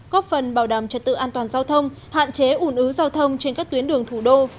góp phần bảo đảm trật tự an toàn giao thông hạn chế ủn ứ giao thông trên các tuyến đường thủ đô